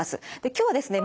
今日はですね